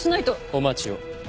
お待ちを。